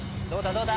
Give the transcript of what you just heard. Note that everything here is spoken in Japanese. どうだ？